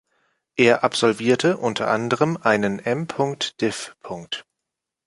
Er absolvierte unter anderem einen M. Div.